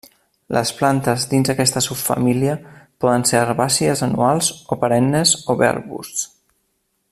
Les plantes dins aquesta subfamília poden ser herbàcies anuals o perennes o bé arbusts.